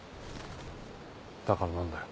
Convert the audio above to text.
だから何だよ？